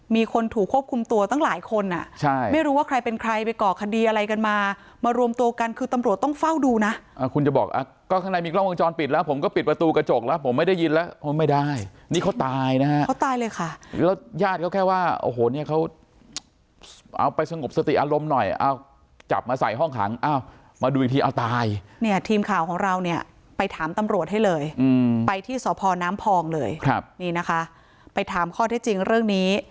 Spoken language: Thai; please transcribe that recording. มีคนถูกควบคุมตัวตั้งหลายคนอ่ะใช่ไม่รู้ว่าใครเป็นใครไปเกาะคดีอะไรกันมามารวมตัวกันคือตำรวจต้องเฝ้าดูนะอ่ะคุณจะบอกอ่ะก็ข้างในมีกล้องวงจรปิดแล้วผมก็ปิดประตูกระจกแล้วผมไม่ได้ยินแล้วโอ้ยไม่ได้นี่เขาตายนะฮะเขาตายเลยค่ะแล้วยาดเขาแค่ว่าโอ้โหเนี่ยเขาเอาไปสงบสติอารมณ์หน่อยเอาจับมาใส่